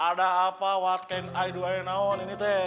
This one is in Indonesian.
ada apa what can i do i know ini teh